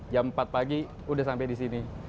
jam empat pagi udah sampai di sini